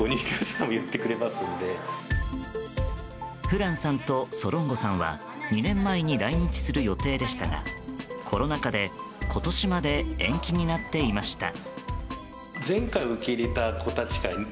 フランさんとソロンゴさんは２年前に来日する予定でしたがコロナ禍で今年まで延期になっていました。